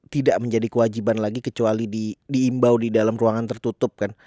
tidak menjadi kewajiban lagi kecuali diimbau di dalam ruangan tertutup kan